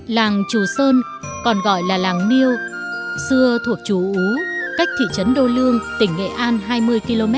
làng chủ sơn còn gọi là làng niêu xưa thuộc chú ú cách thị trấn đô lương tỉnh nghệ an hai mươi km về phía đông nam